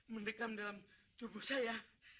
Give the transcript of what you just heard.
mendekam dalam tubuh saya